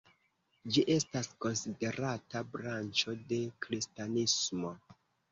Ĝi estas konsiderata branĉo de kristanismo.